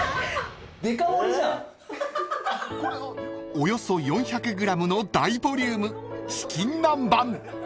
［およそ４００ｇの大ボリュームチキン南蛮］